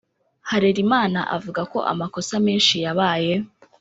Harerimana avuga ko amakosa menshi yabaye